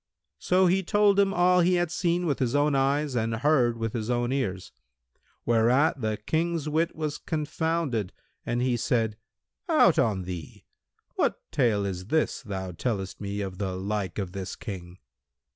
So he told him all he had seen with his own eyes and heard with his own ears; whereat the King's wit was confounded and he said, "Out on thee! What tale is this thou tellest me of the like of this King?"